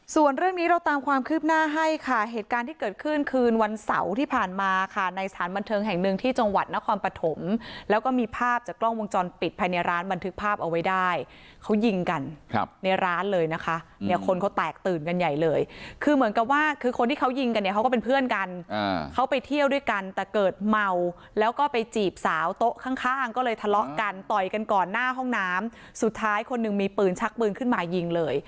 ส่วนเรื่องนี้เราตามความคืบหน้าให้ค่ะเหตุการณ์ที่เกิดขึ้นคืนวันเสาร์ที่ผ่านมาค่ะในสถานบันเทิงแห่งหนึ่งที่จังหวัดนครปฐมแล้วก็มีภาพจากกล้องวงจรปิดภายในร้านบันทึกภาพเอาไว้ได้เขายิงกันในร้านเลยนะคะเนี่ยคนเขาแตกตื่นกันใหญ่เลยคือเหมือนกับว่าคือคนที่เขายิงกันเนี่ยเขาก็เป็นเพื่อนกันเขาไปเ